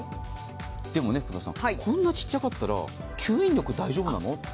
でもこんな小さかったら吸引力、大丈夫なの？